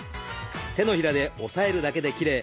手のひらで押さえるだけで切れ